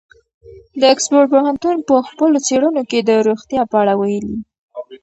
د اکسفورډ پوهنتون په خپلو څېړنو کې د روغتیا په اړه ویلي.